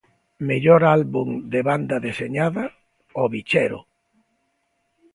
Mellor álbum de banda deseñada: O Bichero.